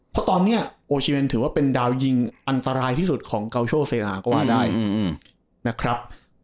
เพราะตอนนี้โอชิเมนถือว่าเป็นดาวยิงอันตรายที่สุดของเกาโชเซราก็ว่าได้นะครับ